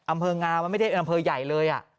อำเภองาอำเภอใหญ่เลยอ่ะ